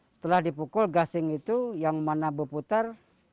setelah dipukul gasing itu yang mana berputar